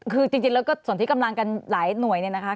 คือจริงแล้วก็ส่วนที่กำลังกันหลายหน่วยเนี่ยนะคะ